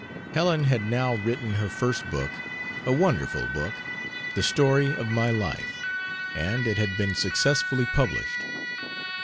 Helen had now written her first book a wonderful book 'The Story of My Life', and it had been successfully published.